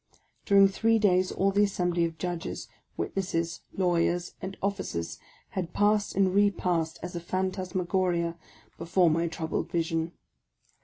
During three days all the assembly of judges, witnesses, law yers, and officers had passed and repassed as a phantasmagoria before my troubled vision.